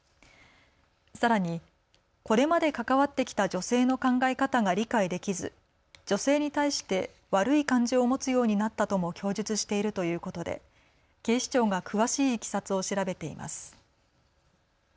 さらにこれまで関わってきた女性の考え方が理解できず女性に対して悪い感情を持つようになったとも供述しているということで警視庁が詳しいいきさつを調べています。